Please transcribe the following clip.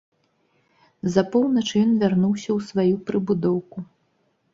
За поўнач ён вярнуўся ў сваю прыбудоўку.